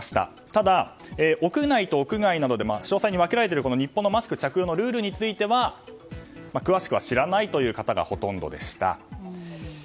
ただ、屋内と屋外などで詳細に分けられている日本のマスク着用のルールについては詳しくは知らないという方がほとんどでした。